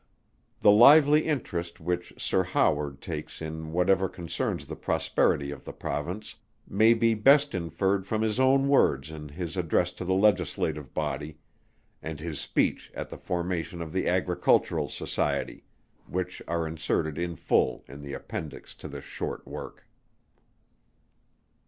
The lively interest which Sir HOWARD takes in whatever concerns the prosperity of the Province, may be best inferred from his own words in his address to the Legislative Body, and his speech at the formation of the Agricultural Society, which are inserted in full in the Appendix to this short work.